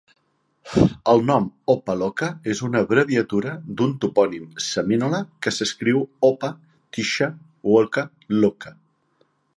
El nom "Opa-locka" és una abreviatura d'un topònim seminola, que s'escriu Opa-tisha-wocka-locka.